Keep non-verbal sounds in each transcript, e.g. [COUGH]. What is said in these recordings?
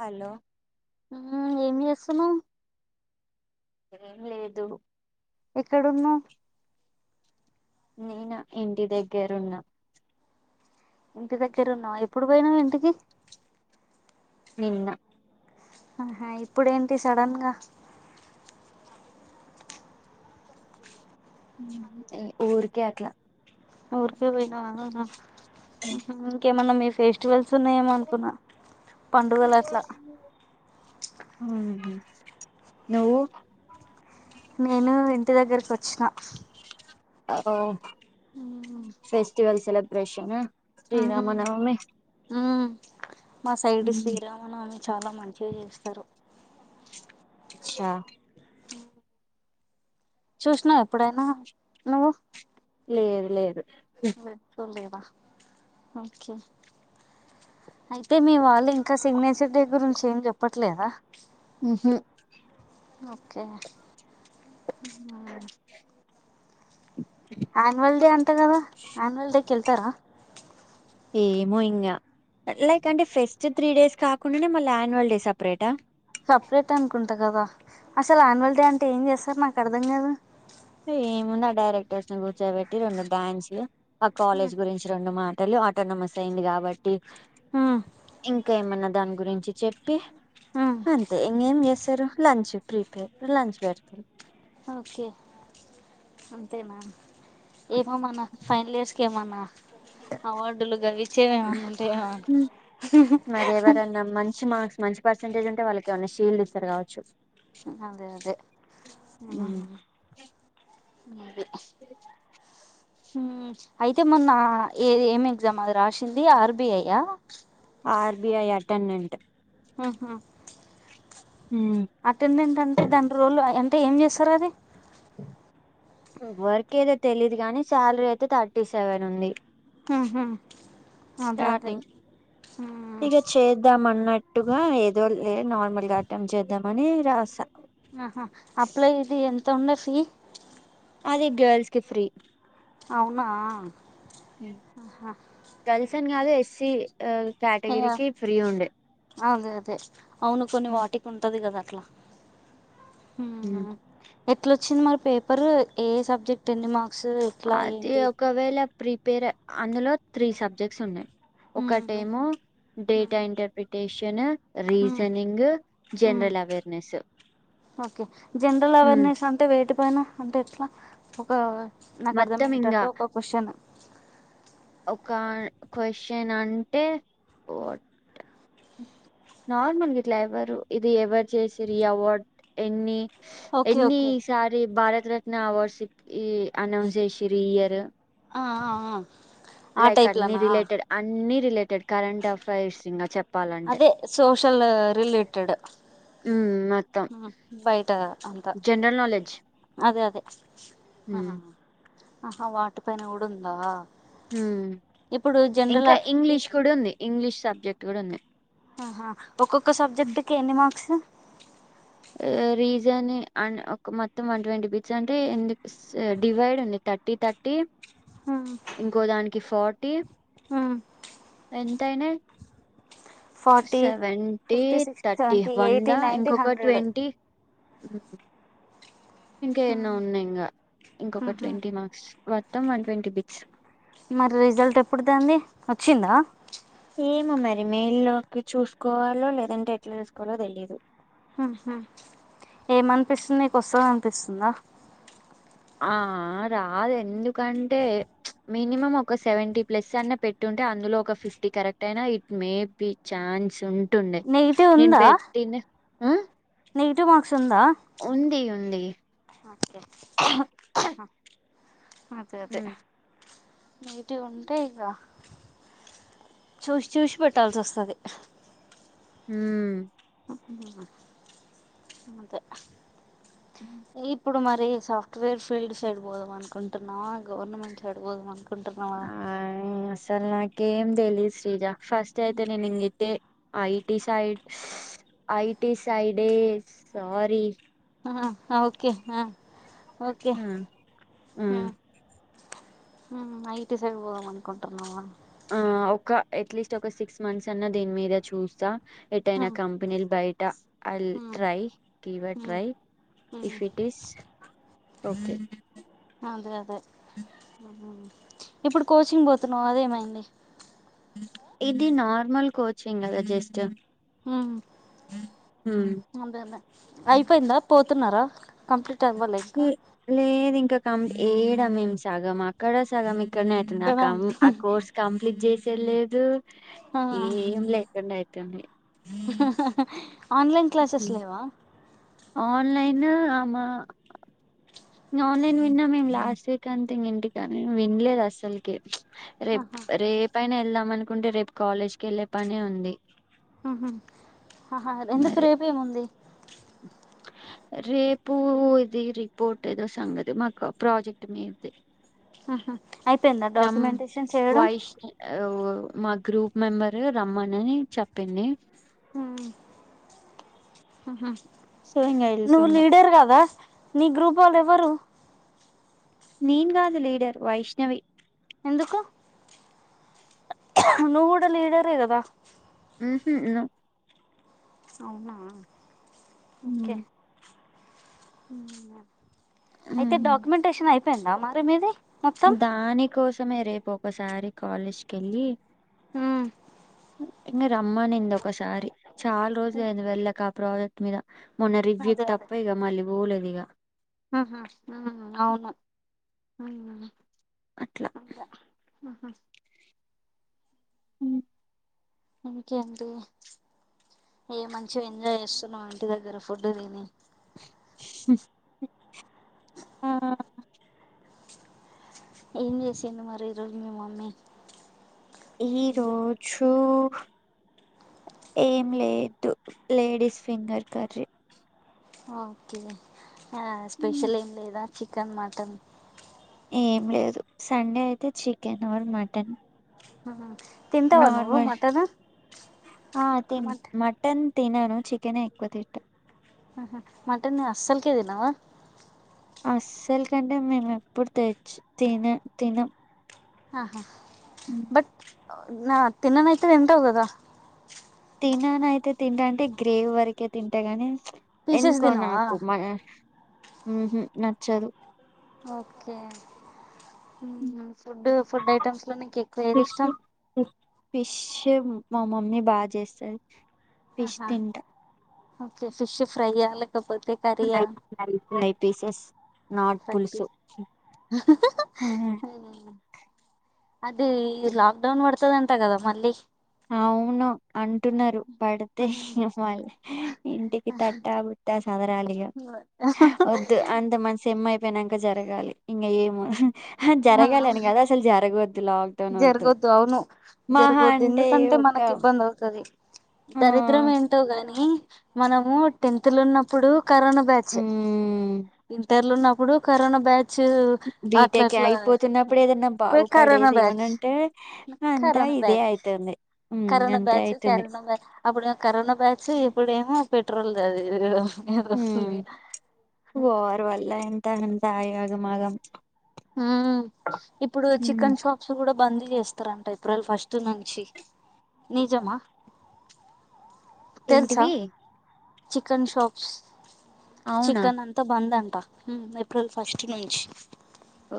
Hello hello ఏం చేస్తునవు ఏం లేదు ఎక్కడున్నావు నేనా ఇంటి దగ్గరున్నా ఇంటి దగ్గరు ఉన్నా ఎప్పుడు పోయినాం ఇంటికి నిన్న ఆహా ఇప్పుడేంటి సడన్ గా ఊరుకే అట్లా ఊరికే పోయినవా ఇంకేమైనా మీ ఫెస్టివల్ సునే ఏమనుకున్న పండుగలు అట్లా ఆ నువ్వు నేను ఇంటి దగ్గరకి వచ్చిన ఓ ఫెస్టివల్ సెలిబ్రేషన్ ఉమ్, శ్రీరామనవమే ఉమ్. మా సైడ్ శ్రీరామ నవమి ఆమె చాలా మంచిగా చేస్తారు అచ్చా చూసినావు ఎప్పుడైనా నువ్వు లేదు లేదు లేలేవా ఓకే అయితే మీ వాళ్ళు ఇంకా సిగ్నేచర్ డే గురించి ఏం చెప్పట్లేదా ఆహ ఓకే ఆన్యువల్ డే అంత కదా ఆన్యువల్ డే కి వెళ్తారా ఏమో ఇంగ లైక్ అంటే ఫెస్ట్ త్రీ డేస్ కాకుండానే మళ్ళీ యాన్యువల్ డే సెపరేటా సపరేట్ అనుకుంటా కదా అసలు ఆన్యువల్ డే అంటే ఏం చేస్తారు నాకు అర్థం కాదు ఏముంది ఆ డైరెక్టర్స్ ని కూర్చోబెట్టి రెండు డ్యాన్స్లు ఆ కాలేజ్ గురించి రెండు మా లు ఆటోనమస్ అయింది కాబట్టి ఉమ్ ఇంకా ఇకా ఏమన్నా దాని గురించి చెప్పి అంతే ఇంకేం చేస్తారు లంచ్ ప్రీపే లంచ్ పెడతారు ఓకే అంతేనా ఏమమన్నా ఫైనైనల్ ఇయర్స్ క ఏమనా అవార్డులు గవిచేవిమన్నా ఉంటాయ ఉమ్, మరి ఎవరైన్నా మంచి మార్క్స్ మంచి పర్సెంటేజ్ ఉంటే వాళ్ళకిమన్నా షీల్డ్ ఇస్తారు కావచ్చు అదే అదే ఉమ్, అ అ అయితే మొన్న ఏ ఏమి ఎగ్జామ్ అది రాసింది ఆర్బిఐయా ఆర్బిఐ అటెండెంట్ ఆహా ఉమ్, అటెండెంట్ అంటే దాని రోల్ అంటే ఏం చేస్తారు అది వర్క్ ఏదో తెలిదు కానీ శాలరీ అయితే థర్టీ సెవెన్ ఉంది ఆహా అదే అదే స్టార్టింగ్ మ్మ్ ఇక చేద్దాం అన్నట్టుగా ఏదో లే నార్మల్గాటం చేద్దాం అని రాసా ఆహా అప్లై ఇది ఎంత ఉంది ఫీ అది గేర్ల్స్ కి ఫ్రీ అవునా గర్ల్స్ అని కాదు ఎస్సి ఆ ఏయా అదే అదే అవును కొన్ని వాటికి ఉంటది కదా హు ఉమ్, ఏట్లోచ్చింది మరి పేపరూ ఏ సబ్జెక్ట్ ఎన్ని మా అది ఒకవేళ ప్రిపేర్ అందులో త్రీ సబ్జెక్ట్స్ ఉన్నాయి ఉమ్ ఒకటేమో ఉమ్ [UNINTELLIGIBLE] interpretation um reasoning general awareness okay general hmm. Awareness అంటే వేటి పైన అంటే ఎట్లా ఒక నాకు మొత్తం ఇంకా అర్థమయ్యేటట్టు ఒక క్వశ్చన్ ఒక క్వశ్చన్ అంటే నార్మల్ ఇట్ల ఎవరు ఇది ఎవరు చేసిరు అవార్డ్ ఎన్ని ఓకే ఓకే ఎన్నిసారి భారతరత్న అవార్డ్స్ ఈ అనౌన్స్ చేసిరు ఇయరు ఆ ఆ ఆ లైక్ అన్ని టైప్లనా రిలేటెడ్ అన్ని రిలేటెడ్ కరెంట్ అఫైర్స్ ఇంగ చెప్ అదే సోషల్ రిలేటెడ్ మ్మ్, మొత్తం బయట అంతా జనరల్ నాలెడ్జ్ అదే అదే ఆ హ్మ్ ఆహా వాటి పైన కూడ ఉందా ఇప్పుడు జనరల్ ఇంకా అబ్- ఈ ఇంగ్లీష్ కూడ ఉంది ఇంగ్లీష్ సబ్జెక్ట్ కూడ ఉంది ఆహా ఒక్కొక్క సబ్జెక్ట్ కి ఎన్ని మార్క్స్ రీజనే ఆ ఒక మొత్తం వన్ ట్వంటీ బీచ్ అంటే ఎందుకు డివైడ్ ఉ థర్టీ థర్టీ హ్మ్ ఇంకో దానికి ఫార్టీ హ్మ్ ఎన్ యినా forty seventy fifty sixty thirty seventy వంద ఎయిటీ నైన్టీ ఇంకొ క హండ్రెడ్ ట్వంటీ ఇంకా ఎన్నో హ్మ్ ఉన్నాయి ఇంకా ఇంకొక హ్మ్ హు ట్వంటీ మార్క్స్ మొత్తం వన్ ట్వంటీ బిట్స్ మరి రిజల్ట్ ఎప్పుడుదండి వచ్చిందా ఏమ మరి మేల్లోకి చూసుకోవాలో లేదంటే ఎట్ల చూసుకోవాలో తెలిదు ఏమనిపిస్తుంది నీకు వస్తదనిపిస్తుందా ఆ రాదు ఎందుకంటే మినిమం ఒక సెవెంటీ ప్లస్ అన్న పెట్టుంటే అందులో ఒక ఫిఫ్టీ కరెక్ట్ అయినా it may be chance ఉంటుండే నెగిటివ్ నేను ఉందా పెట్టింది నెగిటివ్ మార్క్స్ ఉందా ఉంది ఉంది అదే అదే ఉమ్ మీది ఉంటే ఇగ చూసి చూసిపెట్టాల్సి వస్తది హు ఇప్పుడు సాఫ్ట్ వేర్ ఫీల్డ్ సైడ్ పోదాం అనుకుంటున్నా గవర్నమెంట్ సైడ్బోధం అను కుంటున్నావ గేమ్ తేలేదు శ్రీజ ఫస్ట్ అయితే నేను ఇంగిదే ఐటి సైడ్ ఐటి సైడే సారీ ఆ ఒకే ఆ ఆ ఐటీ సైడ్ పోదాం అనుకుంటన్నావ ఆ ఒక అట్లీస్ట్ ఒక సిక్స్ మంత్స్ అన్నా దీని మీద చూస్త ఎట అయినా ఉమ్ కంపెనీల్ బయట I ill um try give a um try um if it is okay అదే ఇప్పుడు కోచింగ్ పోతున్నావు అదేమైంది ఇది నార్మల్ కోచింగ్ కదా జస్ట్ అంతే లే అయిపోయింద పో న్నారా కంప్లీట్ అవ్వాలే ఇంకా లేదు ఇంకా కం ఏడ మేం సగం అక్కడ సగం [UNINTELLIGIBLE] అయితుంది కదా ఆ కోర్స్ కంప్లీట్ చేసేలేదు ఆ ఏం లేకుండా అయి తాన్నే ఆన్లైన్ క్లాసెస్ లేవా ఆన్లైన్ ఆమ ఆన్లైన్ విన్నా మేము లాస్ట్ వీక్ అంతే ఇంక ఇంటికని వినలేదు అసలకి రేపు ఆహా రేపైనా ఎళ్దాం అనుకుంటే రేపు కాలేజ్కి వెళ్ళే పనే ఉంది ఆహా ఆహా ఎందుకు మరే రేపేముంది రేపు ఇది రిపోర్ట్ ఏదో సంగతి మాకు ప్రాజెక్ట్ మీద్ది ఆహా అయిపోయిందా రమ్ డాక్యుమెంటేషన్ చేయడం వాయిష్ ఆవ్ మా గ్రూప్ మెంబరు రమ్మనని చెప్పింది హ ఆహా సో ఇంగ నువ్వు వెళ్తున్నాం లీడర్ కదా నీ గ్రూప్ వోళ్ళు ఎవ్వరు నీ కాదు లీడర్ వైష్ణవి ఎందుకు నువ్వు గూడా లీడరే కదా మ్ హు నొ అవునా ఓకే అయితే డాక్యుమెంటేషన్ అయిపోయిందా మరి మీది మొత్తం దాని కోసమే రేపు ఒకసారి కాలేజ్కి కెళ్ళి మ్మ్ నిన్న రమ్మనింది ఒకసారి చాలా రోజులు అయింది వెళ్ళక ఆ ప్రాజెక్ట్ మీద మొన్న రివ్యూ తప్ప ఇగ మళ్ళీ బోలేదు ఇగ ఆహా అవును అందా అవునా అట్లా అంగ ఆహా మ్ ఇంకేంటి ఏ మంచిగా ఎంజాయ్ చేస్తున్నాం ఇంటి దగ్గర ఫుడ్ తిని ఆ ఏం చేసింది మరి ఈ రోజు మీ మమ్మీ ఫుడ్ ఈరోజు ఏం లేదు లేడీస్ ఫింగర్ కర్రీ ఓకే ఆ స్పెషల్ ఏం లేదా చికెన్ మటన్ ఏం లేదు సండే అయితే చికెన్ ఆర్ మటన్ ఆహా తింటావా నువ్వు నార్మల్ మటన్ అ తిన్ మట్ మటన్ తినను చికెనే ఎక్కువ తింట ఆహా మటన్ అస్సల్కే తినవా అస్సలు కంటే మేము ఎప్పుడు తెచ్చి తిన తినం ఆహా బట్ నా తిన్ననైతే తింటావ్ కదా తినను అయితే తింటా అంటే గ్రేవీ వరకే తింటా గాని పీసెస్ ఎందుకో తినవా నాకు మ మ్ హు నచ్చదు ఓకే ఫుడ్ ఫుడ్ ఐటమ్స్ లో నీకు ఎక్కువ ఏది ఫిష్ ఇష్టం ఫిష్ ఫిష్ మా మమ్మీ బా చేస్తాది ఫిష్ ఆహా తింటా ఓకే ఫిష్ ఫ్రై ఆ లే fry fry pieces not fry పులుసు పీస్ మ్ హు మ్మ్. అది లాక్ డౌన్ పడతది అంట కదా మళ్ళీ అవును అంటున్నారు పడితే మ్మ్. మళ్ళ ఇంటికి తట్టాబుట్ట సదరలిగ వద్దు అంత మన సెమ్ అయిపోయినాక జరగాలి ఇంగ ఏమో జరగాలని కాదు అసలు జరగవద్ జరుగద్దు అవును మహా జరుగద్ంద అంటే కంటే ఒక మనకి ఇబ్బంది అవుతది ఆ దరిద్రం ఏంటో గాని మనము టెన్త్ లో ఉన్నప్పుడు కరోనా బ్యాచ్ ఉమ్ ఇంటర్లు ఉన్నప్పుడు ఇప్పుడు కరోనా బ్యాచ్ అట్లా బీటెక్ అట్లా అయిపోతున్నప్పుడు ఏదన్నా పోయి కరోనా బాగుపడేది బ్యాచ్ ఏమనంటే అంతా కరోనా ఇదే బ్యాచ్ అయితుంది ఉమ్ కరనా అంతే బ్యాచ్ అయితుంది కరనా్బ్యాచ్ అప్పుడు కరోనా బ్యాచ్ ఇప్పుడేమో పెట్రోల్ అది ఇ ఉమ్ వర్వల్ల ఎంత అంతాయగమాగం ఉమ్ ఇప్పుడు ఉమ్ చికెన్ షాప్స్ కూడా బందీ చేస్తారంట ఏప్రిల్ ఫస్ట్ నుంచి నిజమా తెలుసా ఏంటివి చికెన్ షాప్స్ అవునా చికెన్ అంత బంద అంత ప ఏప్రిల్ ఫస్ట్ నుంచి ఓ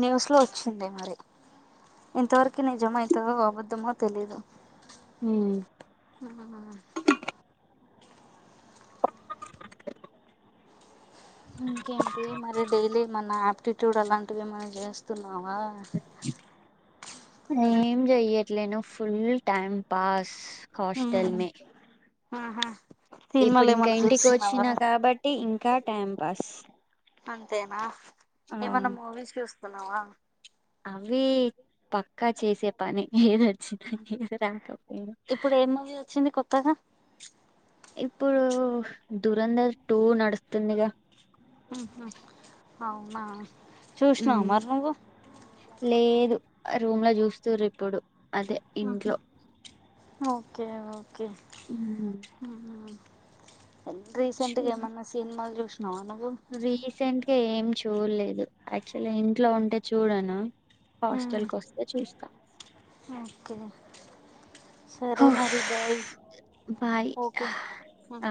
న్యూస్ లో వచ్చింది మరి ఇంతవరకు నీ జమ అవుతో అబద్ధమో తెలీదు మ్ ఊ ఇంకేంటి మరి డైలీ మన ఆయాప్టిట్యూడ్ అలాంటివి ఎమన చేస్తున్నా ఆవా ఏం చెయ్యట్లేను ఫుల్ టైమ్ పాస్ హాస్టల్ మే ఆహా ఇప్పుడు సినిమాలు ఇంకా ఏమన్నా ఇంటికి చూస్తున్నావా ఓచ్చినా కాబట్టి ఇంకా టైం పాస్ అంతేన ఆ ఏమన్న మూవీస్ చూస్తున్నావ అవి పక్కా చేసే పని ఏదొచ్చిది ఏది రాకపోయినా తగ ఇప్పుడు దురంధర్ టూ నడుస్తుందిగా ఊహు అవునా చూశానావా మ్మ్ మరీ నువు ఆ రూమ్ ల చూస్త్ర ఇప్పుడు అదే ఆహా ఇంట్లో ఓకే ఓకే మ్మ్ ఉ ఎం చూ రీసెంట్గ ఏమన్న సినిమాలు చూషినవ నువ్వు కే ఏం చూడ్లేదు యాక్చువలీ నేన్ ఇంట్లో ఉంటే చూడను. హాస్టల్ కోస్తే చూస్తాం ఓకే సరే అహ్ మరి బాయ్ బాయ్ ఓకే ఆ